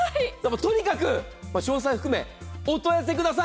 とにかく詳細含め、お問い合わせください。